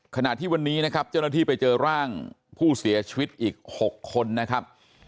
ขณะที่วันนี้นะครับเจ้าหน้าที่ไปเจอร่างผู้เสียชีวิตอีก๖คนนะครับ